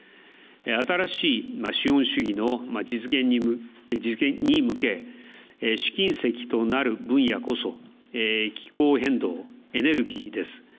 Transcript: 新しい資本主義の実現に向け、試金石となる分野こそ気候変動、エネルギーです。